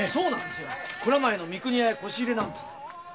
蔵前の三国屋へ輿入れなんです。